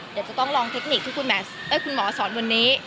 เดี๋ยวจะต้องลองเทคนิคที่คุณหมอสอนวันนี้